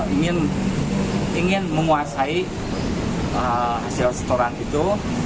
ingin menguasai hasil setoran itu